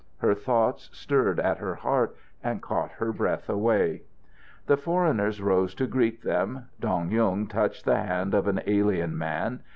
Her thoughts stirred at her heart and caught her breath away. The foreigners rose to greet them. Dong Yung touched the hand of an alien man.